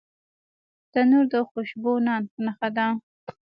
تنور د خوشبو نان نښه ده